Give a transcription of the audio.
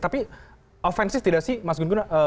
tapi ofensif tidak sih mas gun gun